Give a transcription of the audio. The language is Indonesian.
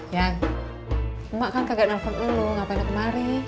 yan mak kan kagak nelfon lu ngapain aku kemari